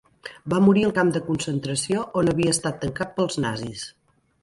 Va morir al camp de concentració on havia estat tancat pels nazis.